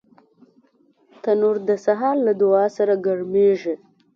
تنور د سهار له دعا سره ګرمېږي